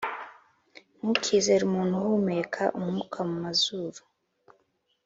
Ntukizere umuntu uhumeka umwuka mumazuru